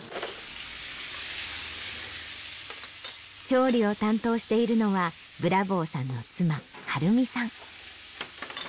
調理を担当しているのはブラボーさんの妻張美さん。